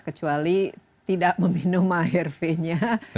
kecuali tidak meminum akhir v nya